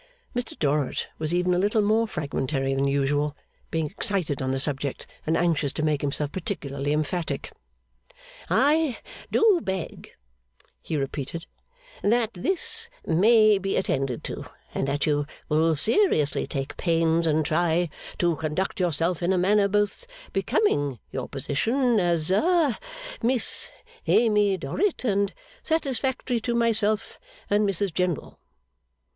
Mr Dorrit was even a little more fragmentary than usual, being excited on the subject and anxious to make himself particularly emphatic. 'I do beg,' he repeated, 'that this may be attended to, and that you will seriously take pains and try to conduct yourself in a manner both becoming your position as ha Miss Amy Dorrit, and satisfactory to myself and Mrs General.